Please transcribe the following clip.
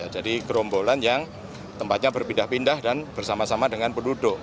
jadi kerombolan yang tempatnya berpindah pindah dan bersama sama dengan penduduk